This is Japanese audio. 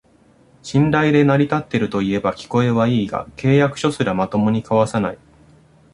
信頼で成り立ってるといえば聞こえはいいが、契約書すらまともに交わさない